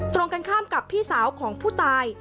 ตรงกันข้ามกับพี่สาวของผู้ตาย